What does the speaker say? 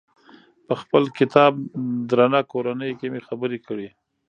په خپل کتاب درنه کورنۍ کې مې خبرې کړي.